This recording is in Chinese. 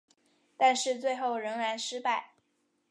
但是最后仍然失败。